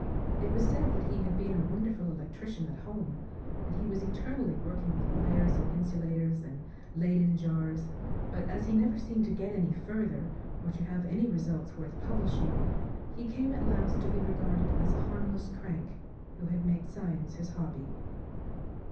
It was said that he had been a wonderful electrician at home, and he was eternally working with wires and insulators and Leyden jars; but, as he never seemed to get any further, or to have any results worth publishing he came at last to be regarded as a harmless crank, who had made science his hobby.